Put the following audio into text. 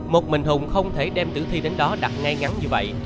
một mình hùng không thể đem tử thi đến đó đặt ngay ngắn như vậy